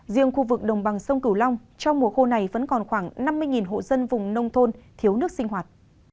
riêng khu vực đồng bằng sông cửu long trong mùa khô này vẫn còn khoảng năm mươi hộ dân vùng nông thôn thiếu nước sinh hoạt